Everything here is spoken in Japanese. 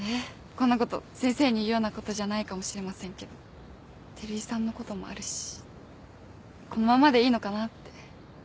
こんなこと先生に言うようなことじゃないかもしれませんけど照井さんのこともあるしこのままでいいのかなって。